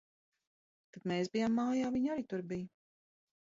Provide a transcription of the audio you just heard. Kad mēs bijām mājā, viņa arī tur bija.